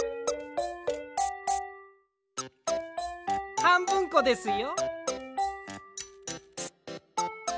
はんぶんこですよ。